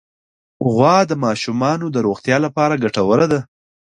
غوا د ماشومانو د روغتیا لپاره ګټوره ده.